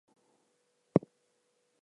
He had never made war on any of his fellows.